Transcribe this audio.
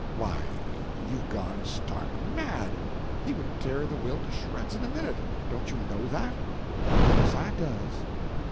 "Why, you've gone stark mad! He would tear the will to shreds in a minute don't you know that?" "Yes, I does."